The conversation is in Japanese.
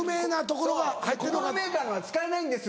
「ここのメーカーのは使えないんです」